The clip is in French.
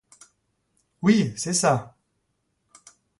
Oui, c'est ça!